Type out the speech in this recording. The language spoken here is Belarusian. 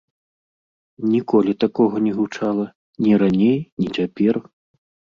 Ніколі такога не гучала, ні раней, ні цяпер.